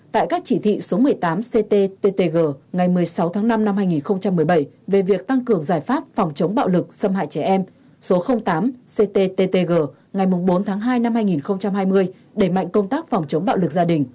tại các chỉ thị số một mươi tám ctttg ngày một mươi sáu tháng năm năm hai nghìn một mươi bảy về việc tăng cường giải pháp phòng chống